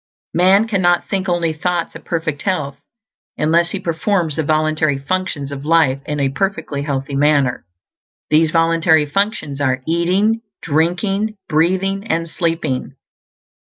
Man cannot think only thoughts of perfect health unless he performs the voluntary functions of life in a perfectly healthy manner. These voluntary functions are eating, drinking, breathing, and sleeping.